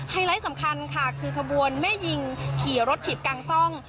ไลท์สำคัญค่ะคือขบวนแม่ยิงขี่รถฉีดกลางจ้อง